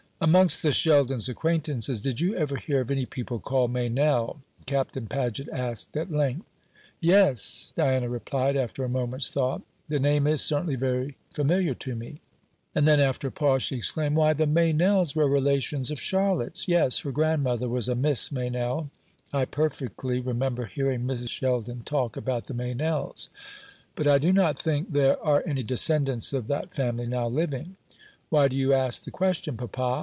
"Amongst the Sheldons' acquaintances did you ever hear of any people called Meynell?" Captain Paget asked at length. "Yes," Diana replied, after a moment's thought; "the name is certainly very familiar to me;" and then, after a pause, she exclaimed, "Why, the Meynells were relations of Charlotte's! Yes, her grandmother was a Miss Meynell; I perfectly remember hearing Mrs. Sheldon talk about the Meynells. But I do not think there are any descendants of that family now living. Why do you ask the question, papa?